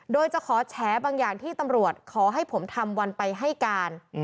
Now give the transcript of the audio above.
โดยจะขอแฉบางอย่างที่ตำรวจขอให้ผมทำวันไปให้การ